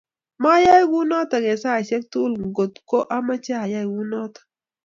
Mayai kunotok eng saisek tuul ngot ko amache ayai kunotok